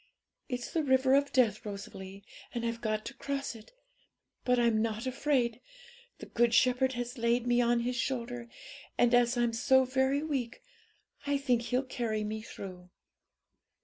It's the river of death, Rosalie, and I've got to cross it, but I'm not afraid: the Good Shepherd has laid me on His shoulder, and, as I'm so very weak, I think He'll carry me through.'